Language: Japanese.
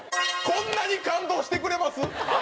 こんなに感動してくれます？